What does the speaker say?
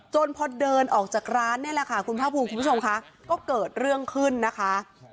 พอเดินออกจากร้านนี่แหละค่ะคุณภาคภูมิคุณผู้ชมค่ะก็เกิดเรื่องขึ้นนะคะ